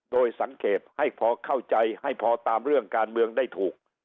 โดยสังเกตให้พอเข้าใจให้พอตามเรื่องการเมืองได้ถูก